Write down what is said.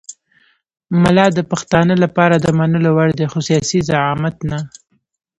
ملا د پښتانه لپاره د منلو وړ دی خو سیاسي زعامت نه.